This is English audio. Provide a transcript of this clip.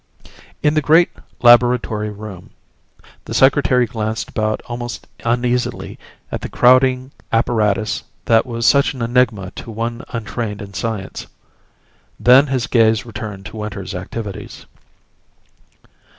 In the great laboratory room, the Secretary glanced about almost uneasily at the crowding apparatus that was such an enigma to one untrained in science. Then his gaze returned to Winter's activities.